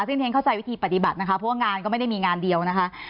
ซึ่งเรียนเข้าใจวิธีปฏิบัตินะคะเพราะว่างานก็ไม่ได้มีงานเดียวนะคะ